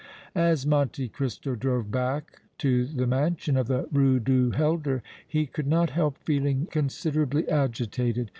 As Monte Cristo drove back to the mansion of the Rue du Helder he could not help feeling considerably agitated.